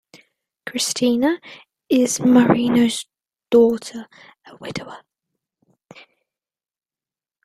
Cristina is Mariano's daughter, a widower.